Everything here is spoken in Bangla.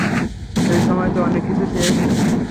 সেই সময় তো অনেক কিছু চেয়েছি।